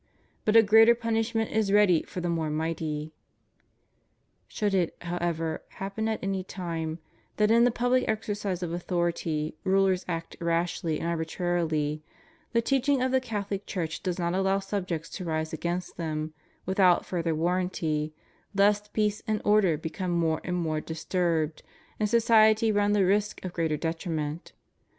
But a greater punishment is ready for the more mighty.^ Should it, however, happen, at any time, that in the public exercise of authority rulers act rashly and arbitrarily, the teaching of the Catholic Church does not allow subjects to rise against them, without further warranty, lest peace and order become more and more dis turbed, and society run the risk of greater detriment.